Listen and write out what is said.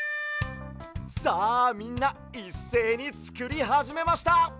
さあみんないっせいにつくりはじめました！